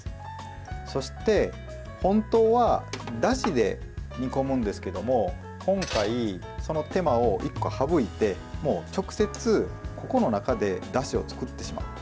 そして、本当はだしで煮込むんですけども今回、その手間を１個はぶいて直接、この中でだしを作ってしまう。